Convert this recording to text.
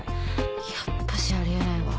やっぱしありえないわ。